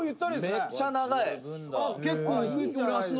めっちゃ長い。